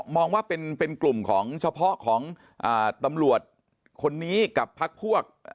มองว่าเป็นกลุ่มของเฉพาะของตำรวจคนนี้กับพักพวก